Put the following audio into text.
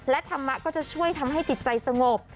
และธรรมะก็จะช่วยทำให้จิตใจสงบ